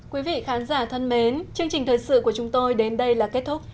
quý vị khán giả thân mến chương trình thời sự của chúng tôi đến đây là kết thúc